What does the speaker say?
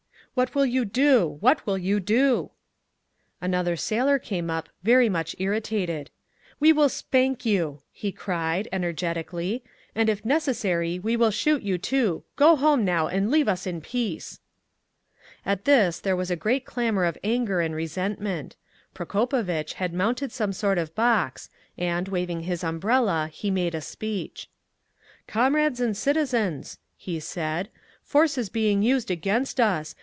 "What will you do? What will you do?" Another sailor came up, very much irritated. "We will spank you!" he cried, energetically. "And if necessary we will shoot you too. Go home now, and leave us in peace!" At this there was a great clamour of anger and resentment, Prokopovitch had mounted some sort of box, and, waving his umbrella, he made a speech: "Comrades and citizens!" he said. "Force is being used against us!